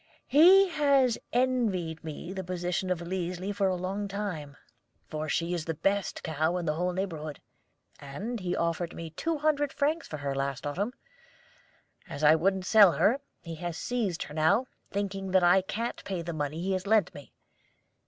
"He has envied me the possession of Liesli for a long time, for she is the best cow in the whole neighborhood; and he offered me two hundred francs for her last autumn. As I wouldn't sell her, he has seized her now, thinking that I can't pay him the money he has lent me.